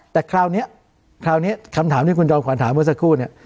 แต่คราวนี้คำถามที่คุณจองความถามเมื่อสักครู่